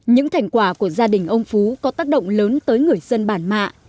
những thành quả của gia đình ông phú có tác động lớn tới người dân bản mạ